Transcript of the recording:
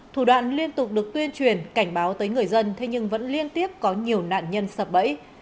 thủ đoạn liên tục được tuyên truyền cảnh báo tới người dân thế nhưng vẫn liên tiếp có nhiều nạn nhân sập bẫy